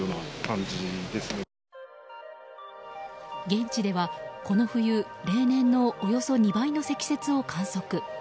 現地では、この冬例年のおよそ２倍の積雪を観測。